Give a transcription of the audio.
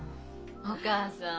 お義母さん。